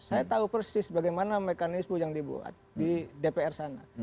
saya tahu persis bagaimana mekanisme yang dibuat di dpr sana